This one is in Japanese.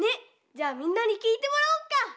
じゃあみんなにきいてもらおうか！